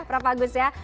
prof agus ya